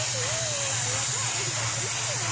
わいはかわでひろったいしや。